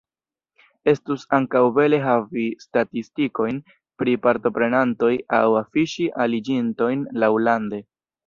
Estus ankaŭ bele havi statistikojn pri partoprenantoj aŭ afiŝi aliĝintojn laŭlande.